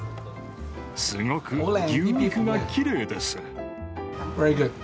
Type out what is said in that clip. すごく牛肉がきれいです。